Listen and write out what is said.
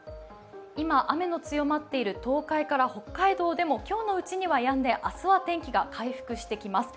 今、雨の強まっている東海から北海道でも今日のうちにはやんで明日は天気が回復してきます。